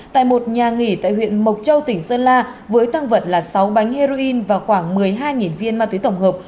tại một nhà nghỉ tại huyện mộc châu tỉnh sơn la với tăng vật là sáu bánh heroin và khoảng một mươi hai viên ma túy tổng hợp